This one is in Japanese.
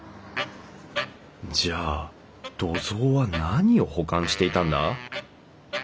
じゃあ土蔵は何を保管していたんだ？